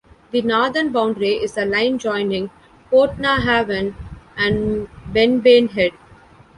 The northern boundary is a line joining Portnahaven and Benbane Head.